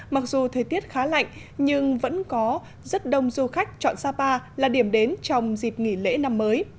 mặc dù thời tiết khá lạnh nhưng vẫn có rất đông du khách chọn sapa là điểm đến trong dịp nghỉ lễ năm mới